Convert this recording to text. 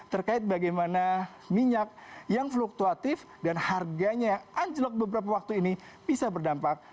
terkait bagaimana minyak yang fluktuatif dan harganya yang anjlok beberapa waktu ini bisa berdampak